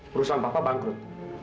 perusahaan papa bangkrut